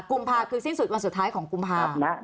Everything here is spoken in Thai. กุมภาพคือสิ้นสุดวันสุดท้ายของกุมภาพ